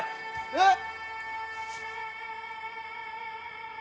えっ？